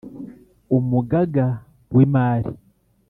Umugaga w'imali;